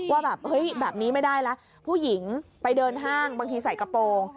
ว่าแบบนี้ไม่ได้ละผู้หญิงไปเดินห้างบางทีใส่กระโปรง